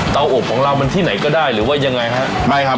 อบของเรามันที่ไหนก็ได้หรือว่ายังไงฮะไม่ครับ